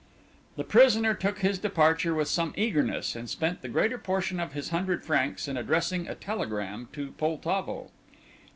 The prisoner took his departure with some eagerness and spent the greater portion of his hundred francs in addressing a telegram to Poltavo.